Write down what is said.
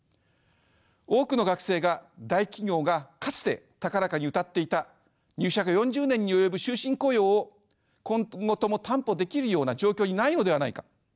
多くの学生が大企業がかつて高らかにうたっていた入社が４０年に及ぶ終身雇用を今後とも担保できるような状況にないのではないか。